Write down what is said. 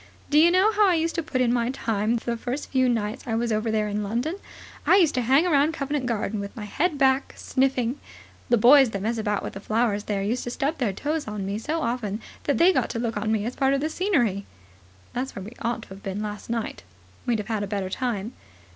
Do you know how I used to put in my time the first few nights I was over here in London? I used to hang around Covent Garden with my head back, sniffing. The boys that mess about with the flowers there used to stub their toes on me so often that they got to look on me as part of the scenery." "That's where we ought to have been last night." "We'd have had a better time.